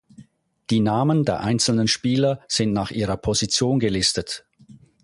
Die Namen der einzelnen Spieler sind nach ihrer Position gelistet.